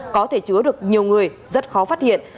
có thể chứa được nhiều người rất khó phát hiện